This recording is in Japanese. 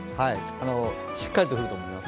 しっかりと降ると思います。